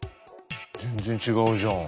全然違うじゃん。